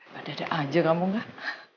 padahal aja kamu enggak